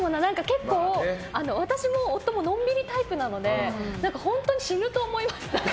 結構、私も夫ものんびりタイプなので本当に死ぬと思います。